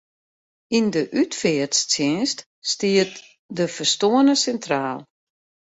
Yn de útfearttsjinst stiet de ferstoarne sintraal.